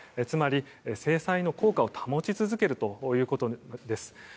つまり、制裁の効果を保ち続けるということです。